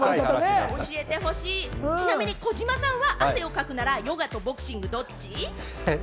ちなみに児嶋さんは汗をかくならヨガとボクシング、ドッチ？